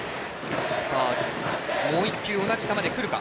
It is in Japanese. もう１球同じ球でくるか。